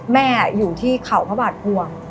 แม่อยู่ที่เขาพระบาทภวง